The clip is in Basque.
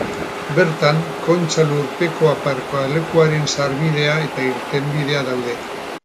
Bertan, Kontxa lurpeko aparkalekuaren sarbidea eta irtenbidea daude.